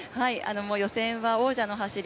予選は王者の走り。